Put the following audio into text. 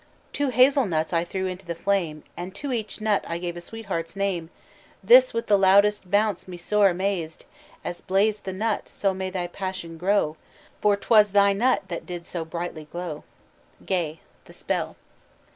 "Two hazel nuts I threw into the flame, And to each nut I gave a sweetheart's name. This with the loudest bounce me sore amaz'd, That in a flame of brightest color blaz'd; As blaz'd the nut, so may thy passion grow, For 't was thy nut that did so brightly glow." GAY: _The Spell.